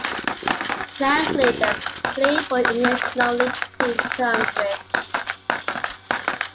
Shankly then played for English non-league team Tunbridge.